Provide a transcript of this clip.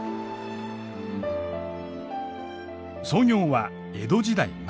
創業は江戸時代末期。